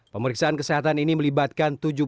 pemeriksaan kesehatan ini melibatkan